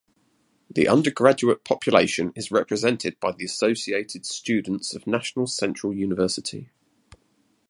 The undergraduate population is represented by the Associated Students of National Central University.